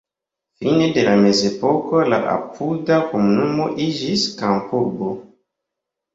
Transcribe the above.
Fine de la mezepoko la apuda komunumo iĝis kampurbo.